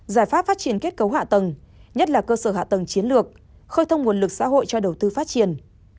giải pháp phát triển kết cấu hạ tầng nhất là cơ sở hạ tầng chiến lược khơi thông nguồn lực xã hội cho đầu tư phát triển